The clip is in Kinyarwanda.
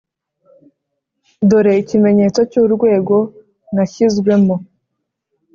dore ikimenyetso cy’urwego nashyizwemo,